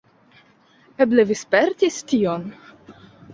Eble vi spertis tion.